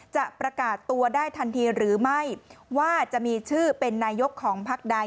จะประกาศตัวได้ทันทีหรือไม่ว่าจะมีชื่อเป็นนายกของพักใด